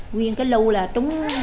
nguyên cái lưu là trúng